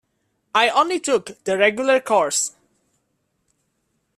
‘I only took the regular course.’